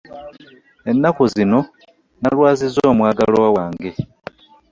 Ennaku zino nalwaziza omwagalwa wange.